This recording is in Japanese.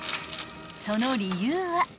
［その理由は］